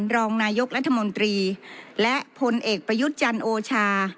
รองนายกรัฐมนตรีและพลเอกประยุทธ์จันทร์โอชา